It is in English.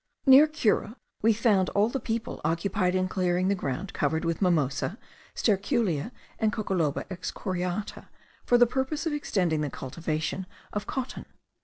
Near Cura we found all the people occupied in clearing the ground covered with mimosa, sterculia, and Coccoloba excoriata, for the purpose of extending the cultivation of cotton.